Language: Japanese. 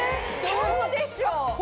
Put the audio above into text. どうでしょう？